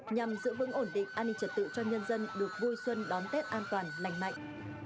nhằm giữ vững ổn định an ninh trật tự cho nhân dân được vui xuân đón tết an toàn lành mạnh